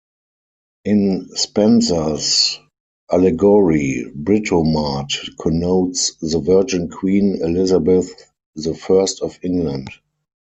In Spenser's allegory, Britomart connotes the Virgin Queen, Elizabeth the First of England.